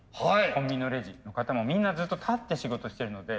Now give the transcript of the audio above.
コンビニのレジの方もみんなずっと立って仕事してるので。